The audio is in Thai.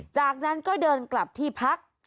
จากนั้นก็เดินกลับที่พัก